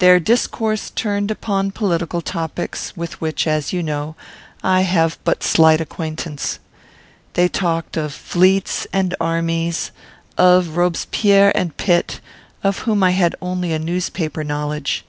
Their discourse turned upon political topics, with which, as you know, I have but slight acquaintance. They talked of fleets and armies, of Robespierre and Pitt, of whom I had only a newspaper knowledge.